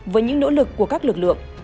với những nỗ lực của các lực lượng